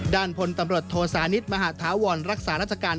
ด้านพลตำรวจโทสานิทมหาธาวรรักษาราชการ